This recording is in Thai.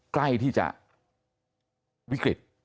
ใกล้ที่จะวิกฤต